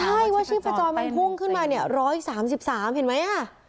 ใช่ว่าชีพจรมันพุ่งขึ้นมาเนี่ยร้อยสามสิบสามเห็นไหมอ่ะ